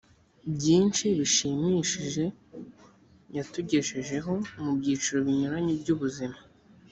byinshi bishimishije yatugejejeho mu byiciro binyuranye by ubuzima